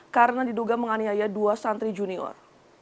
karena diduga menganiaya dua santri junior